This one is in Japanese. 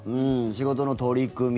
仕事の取り組み